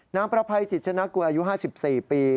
ประภัยจิตชนะกุลอายุ๕๔ปี